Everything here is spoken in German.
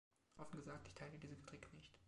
Offen gesagt, ich teile diese Kritik nicht.